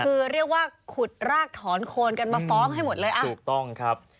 คือเรียกว่าขุดรากถอนโคนกันมาฟ้องให้หมดเลยอ่ะถูกต้องครับ